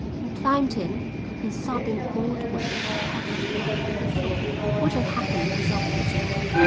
He climbed in and, sobbing all the way, paddled back to shore." "What had happened was obvious enough.